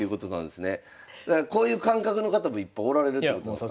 だからこういう感覚の方もいっぱいおられるということなんですか？